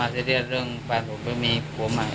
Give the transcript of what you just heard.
เสร็จไออย่างเดียวไหมหรือว่าเสร็จ